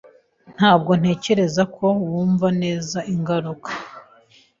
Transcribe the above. Ntabwo ntekereza ko wumva neza ingaruka.